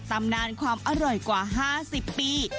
ตำนานความอร่อยกว่า๕๐ปี